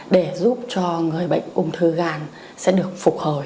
để giúp cho người bệnh ung thư gan sẽ được phục hồi